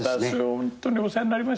ホントにお世話になりました。